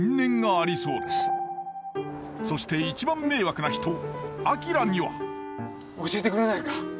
そして一番迷惑な人明には教えてくれないか？